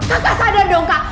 kakak sadar dong kak